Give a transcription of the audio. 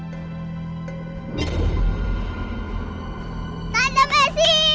tidak bisa berakhir